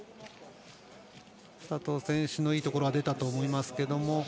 佐藤選手のいいところは出たと思いますけれども。